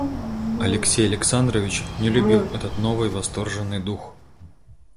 Алексей Александрович не любил этот новый восторженный дух.